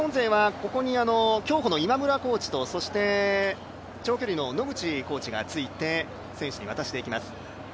日本勢は競歩の今村コーチと長距離の野口コーチがついて選手に渡していきます。